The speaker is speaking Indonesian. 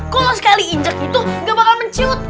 kalau sekali injek itu gak bakal menciut